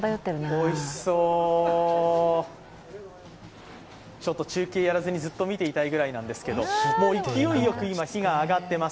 おいしそうちょっと中継やらずにずっと見ていたいくらいなんですけどもう勢いよく火が上がっています。